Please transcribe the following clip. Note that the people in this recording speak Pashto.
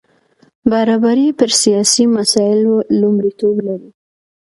برابري پر سیاسي مسایلو لومړیتوب لري.